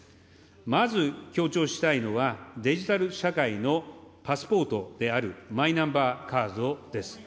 まず強調したいのは、デジタル社会のパスポートであるマイナンバーカードです。